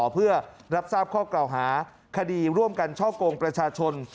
เพื่อรับทราบข้อกล่าวหาคดีร่วมกันช่อกงประชาชน